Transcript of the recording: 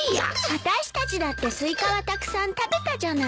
あたしたちだってスイカはたくさん食べたじゃない。